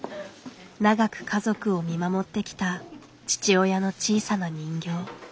長く家族を見守ってきた父親の小さな人形。